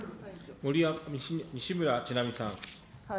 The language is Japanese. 西村智奈美さん。